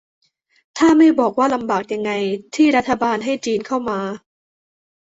ถ้าไม่บอกว่าลำบากยังไง ที่รัฐบาลให้จีนเข้ามา